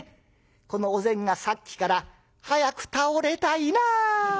このお膳がさっきから「早く倒れたいな」。